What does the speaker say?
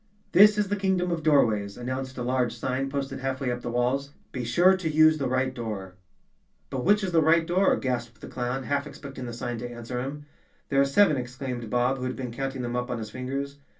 "This is the Kingdom of Doorways," announced a large sign, posted half way up the walls. " Be sure to use the right door." "But which is the right door?" gasped the clown, half expecting the sign to answer him. "There are seven," exclaimed Bob, who had been 70 Chapter Five counting them up on his fingers.